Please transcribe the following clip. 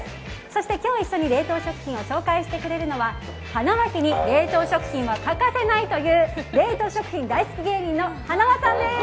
そして今日一緒に冷凍食品を紹介してくれるのははなわ家に冷凍食品は欠かせないという冷凍食品大好き芸人のはなわさんです。